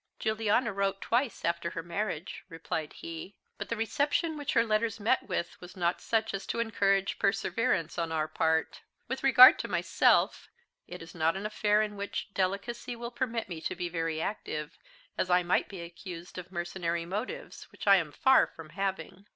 "Juliana wrote twice after her marriage," replied he; "but the reception which her letters met with was not such as to encourage perseverance on our part. With regard to myself, it is not an affair in which delicacy will permit me to be very active, as I might be accused of mercenary motives, which I am far from having."